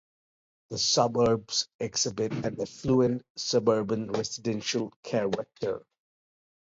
The suburbs exhibit an affluent suburban residential character.